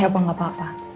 ya pak tidak apa apa